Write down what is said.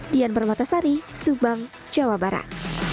dian parwata sari subang jawa barat